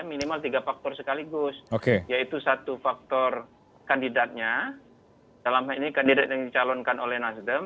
minimal tiga faktor sekaligus yaitu satu faktor kandidatnya dalam hal ini kandidat yang dicalonkan oleh nasdem